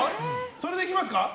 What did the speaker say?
これでいきます。